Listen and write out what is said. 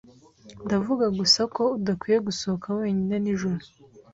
Ndavuga gusa ko udakwiye gusohoka wenyine nijoro.